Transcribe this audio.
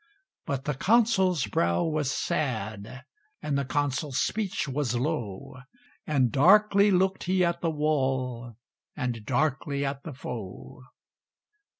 But the Consul's brow was sad, And the Consul's speech was low, And darkly looked he at the wall, And darkly at the foe.